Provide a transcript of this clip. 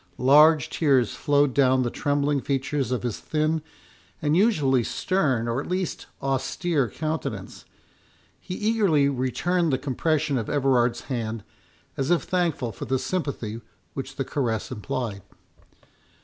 Large tears flowed down the trembling features of his thin, and usually stern, or at least austere countenance; he eagerly returned the compression of Everard's hand, as if thankful for the sympathy which the caress implied.